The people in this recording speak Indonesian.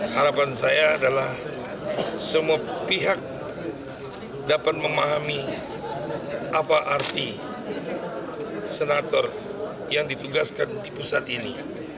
harapan saya adalah semua pihak dapat memahami apa arti senator yang ditugaskan di pusat ini